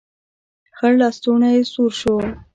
خړ لستوڼی يې سور شو.